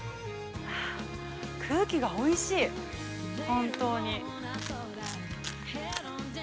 空気がおいしい、本当に。